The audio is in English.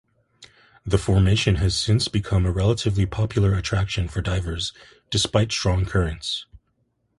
The formation has since become a relatively popular attraction for divers despite strong currents.